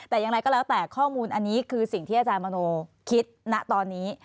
แต่อย่างไรก็แล้วแต่ข้อมูลอันนี้คือสิ่งที่อาจารย์มโนคิดณตอนนี้